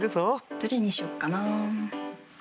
どれにしよっかな？